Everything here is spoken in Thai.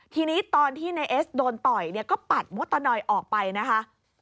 ทีนี้ตอนที่นายเอสโดนต่อยเนี่ยก็ปัดมดตะนอยออกไปนะคะ